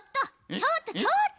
ちょっとちょっと！